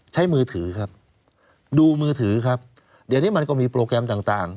มือถือครับดูมือถือครับเดี๋ยวนี้มันก็มีโปรแกรมต่างต่าง